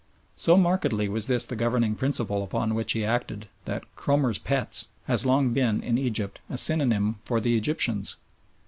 So markedly was this the governing principle upon which he acted that "Cromer's pets" has long been in Egypt a synonym for the "Egyptians."